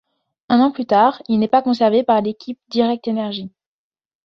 Un an plus tard, il n'est pas conservé par l'équipe Direct Énergie.